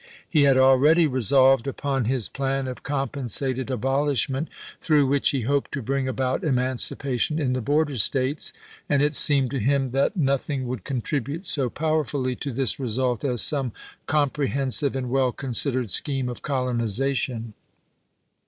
He had already resolved upon his plan of compensated abolishment, through which he hoped to bring about emancipation in the border States ; and it seemed to him that noth ing would contribute so powerfully to this result as some comprehensive and well considered scheme of colonization.